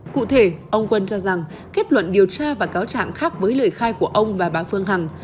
cụ thể ông quân cho rằng kết luận điều tra và cáo trạng khác với lời khai của ông và bà phương hằng